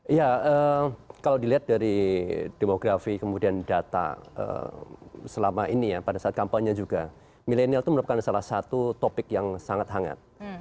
iya kalau dilihat dari demografi kemudian data selama ini ya pada saat kampanye juga milenial itu merupakan salah satu topik yang sangat hangat